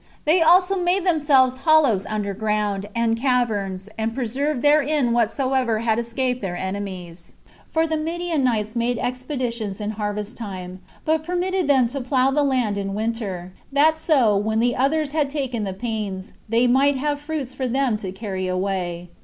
They also made themselves hollows under ground, and caverns, and preserved therein whatsoever had escaped their enemies; for the Midianites made expeditions in harvest time, but permitted them to plough the land in winter, that so, when the others had taken the pains, they might have fruits for them to carry away.